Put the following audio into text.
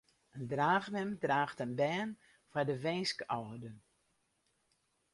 In draachmem draacht in bern foar de winskâlden.